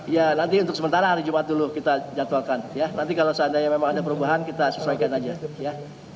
ya nanti untuk sementara hari jumat dulu kita jadwalkan ya nanti kalau seandainya memang ada perubahan kita sesuaikan aja ya